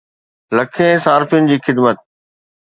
لکين صارفين جي خدمت